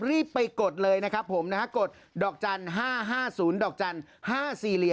รีบไปกดเลยนะครับผมนะครับกดดอกจันทร์๕๕๐๕๔๒๔๒๔